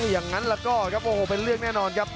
อย่างนั้นแล้วก็ครับโอ้โหเป็นเรื่องแน่นอนครับ